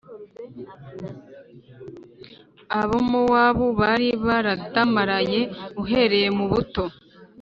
Abamowabu bari baradamaraye uhereye mu buto